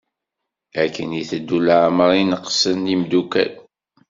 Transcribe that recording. Akken iteddu leɛmer i neqqsen yemdukal.